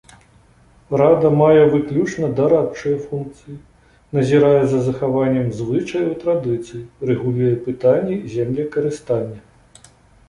Рада мае выключна дарадчыя функцыі, назірае за захаваннем звычаяў і традыцый, рэгулюе пытанні землекарыстання.